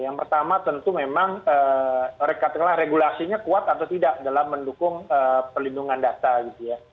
yang pertama tentu memang katakanlah regulasinya kuat atau tidak dalam mendukung perlindungan data gitu ya